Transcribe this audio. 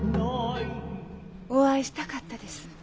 お会いしたかったです。